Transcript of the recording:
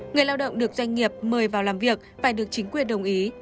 người lao động được doanh nghiệp mời vào làm việc phải được chính quyền đồng ý